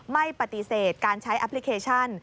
ไม่ปฏิเสธการใช้แอปพลิเคชัน